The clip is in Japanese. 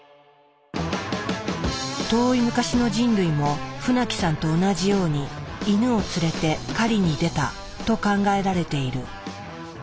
遠い昔の人類も船木さんと同じようにイヌを連れて狩りに出たと考えられている。